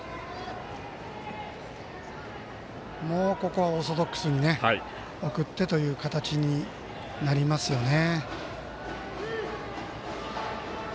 ここはオーソドックスに送ってという形になりますよね。